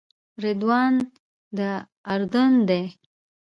رضوان د اردن دی.